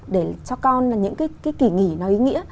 để cho con những cái kỷ nghỉ nó ý nghĩa